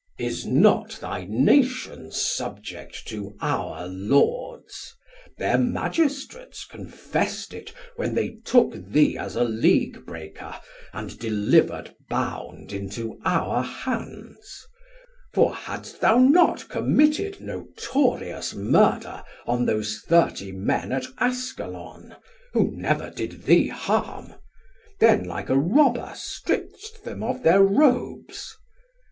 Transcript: Har: Is not thy Nation subject to our Lords? Thir Magistrates confest it, when they took thee As a League breaker and deliver'd bound Into our hands: for hadst thou not committed Notorious murder on those thirty men At Askalon, who never did thee harm, Then like a Robber stripdst them of thir robes?